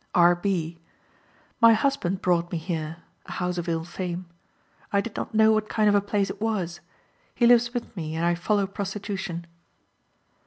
R. B.: "My husband brought me here (a house of ill fame). I did not know what kind of a place it was. He lives with me, and I follow prostitution."